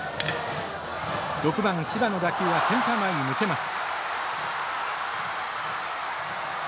６番柴の打球はセンター前に抜けます。